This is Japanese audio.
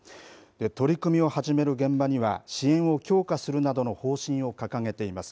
取り組みを始める現場には支援を強化するなどの方針を掲げています。